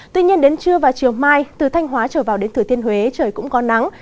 tuy nhiên đến trưa và chiều mai từ thanh hóa trở vào đến thừa thiên huế trời cũng có nắng